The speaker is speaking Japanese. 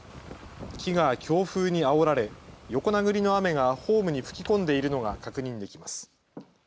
木が強風にあおられ横殴りの雨がホームに吹き込んでいるのが確認できます。